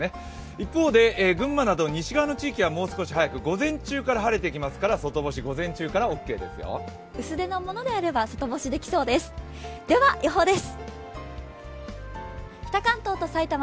一方で群馬など西側の地域はもう少し早く、午前中から晴れてきますから外干し、午前中からオーケーですよ薄手のものであれば外干しできそうです。